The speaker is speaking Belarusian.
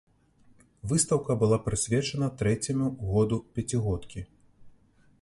Выстаўка была прысвечана трэцяму году пяцігодкі.